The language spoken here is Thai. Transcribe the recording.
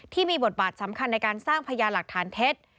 ที่มีบทบาททรัมค์คันในการสร้างพญาหลักฐานเท็จ